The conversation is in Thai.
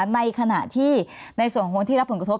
ในขณะที่ในส่วนของคนที่รับผลกระทบ